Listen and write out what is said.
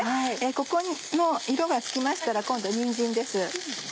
ここの色がつきましたら今度にんじんです。